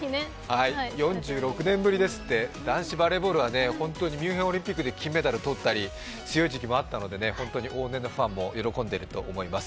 ４６年ぶりですって男子バレーボールはミュンヘンオリンピックで金メダルを取ったり強い時期もあったので本当に往年のファンも喜んでいると思います。